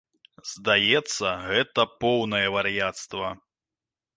Здаецца, гэта поўнае вар'яцтва.